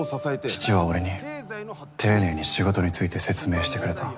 父は俺に丁寧に仕事について説明してくれた。